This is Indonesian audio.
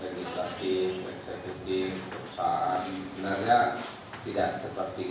untuk memandu diri orang lain di korporasi